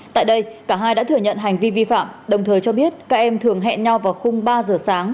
tại đây cả hai đã thừa nhận hành vi vi phạm đồng thời cho biết các em thường hẹn nhau vào khung ba giờ sáng